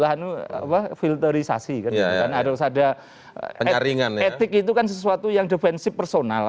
harus ada etik itu kan sesuatu yang defensif personal